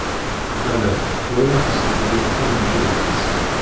Ala, walaɣ-tt deg wexxam n yidles.